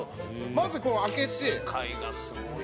まずこう開けて。